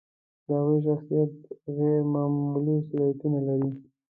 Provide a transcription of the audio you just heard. د هغوی شخصیت غیر معمولي صلاحیتونه لري.